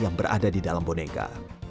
yang berada di dalam boneka